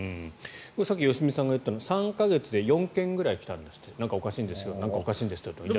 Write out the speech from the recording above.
さっき良純さんが言ったのは３か月で４件ぐらい来たんですってなんかおかしいんですけどって。